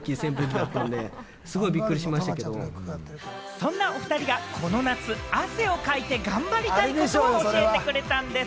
そんなお２人がこの夏、汗をかいて頑張りたいことを教えてくれたんでぃす。